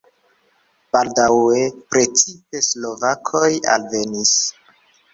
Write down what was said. Baldaŭe precipe slovakoj alvenis.